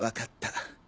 分かった。